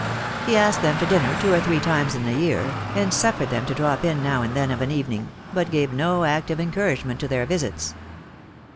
He asked them to dinner two or three times in the year, and suffered them to drop in now and then of an evening, but gave no active encouragement to their visits.